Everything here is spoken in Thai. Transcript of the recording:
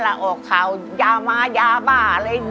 รายการต่อไปนี้เป็นรายการทั่วไปสามารถรับชมได้ทุกวัย